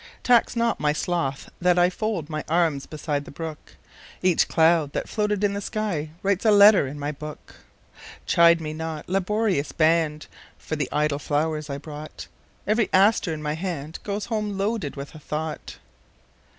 Tax not my sloth that IFold my arms beside the brook; Each cloud that floated in the skyWrites a letter in my book. Chide me not, laborious band, For the idle flowers I brought; Every aster in my handGoes home loaded with a thought.